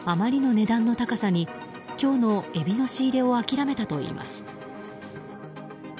あまりの値段の高さに今日のエビの仕入れも諦めたといいます。